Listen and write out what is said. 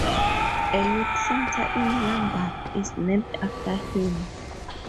A youth centre in Lambeth is named after him.